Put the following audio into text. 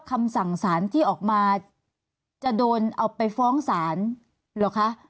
คำสั่งสารที่ออกมาจะโดนเอาไปฟ้องศาลเหรอคะ